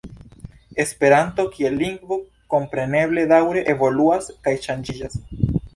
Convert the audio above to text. Esperanto kiel lingvo kompreneble daŭre evoluas kaj ŝanĝiĝas.